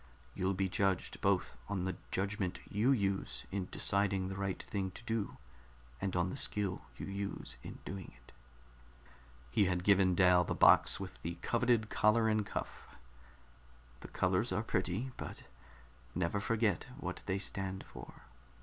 You'll be judged both on the judgment you use in deciding the right thing to do, and on the skill you use in doing it." He had given Dal the box with the coveted collar and cuff. "The colors are pretty, but never forget what they stand for.